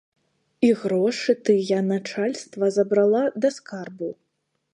І грошы тыя начальства забрала да скарбу.